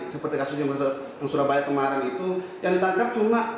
seperti kasus yang sudah banyak